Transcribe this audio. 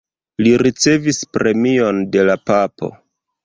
Li ricevis premion de la papo.